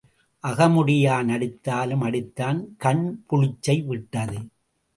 அகமுடையான் அடித்தாலும் அடித்தான் கண் புளிச்சை விட்டது.